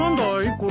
これ。